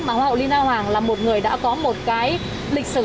mà hoàng hậu lina hoàng là một người đã có một cái lịch sử